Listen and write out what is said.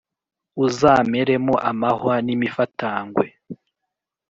uzameremo amahwa n’imifatangwe,